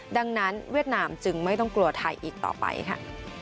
ดังนั้นเวียดนามจึงไม่ต้องกลัวไทยอีกต่อไปค่ะ